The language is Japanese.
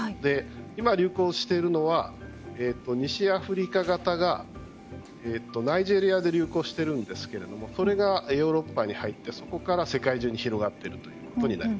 今流行しているのは西アフリカ型がナイジェリアで流行しているんですがそれがヨーロッパに入ってそこから世界中に広がっていると。